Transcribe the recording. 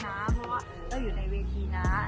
เพราะว่าอยู่ในเวทีนะ